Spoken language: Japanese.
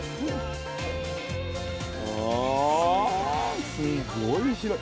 あすごい白い。